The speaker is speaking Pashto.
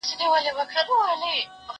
و